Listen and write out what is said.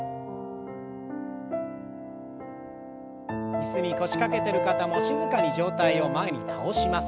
椅子に腰掛けてる方も静かに上体を前に倒します。